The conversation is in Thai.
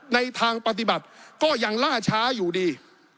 ในทางปฏิบัติก็ยังล่าช้าอยู่ดี